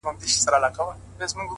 زه نو بيا څنگه مخ در واړومه؛